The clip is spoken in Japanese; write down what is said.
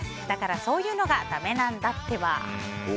だから、そういうのがだめなんだってば。